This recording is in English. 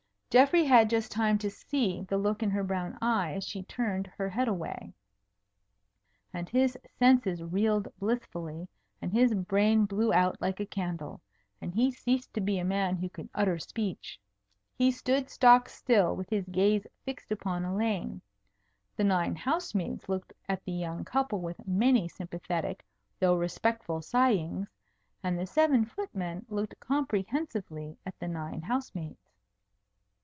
Geoffrey had just time to see the look in her brown eye as she turned her head away. And his senses reeled blissfully, and his brain blew out like a candle, and he ceased to be a man who could utter speech. He stood stock still with his gaze fixed upon Elaine. The nine house maids looked at the young couple with many sympathetic though respectful sighings, and the seven footmen looked comprehensively at the nine house maids.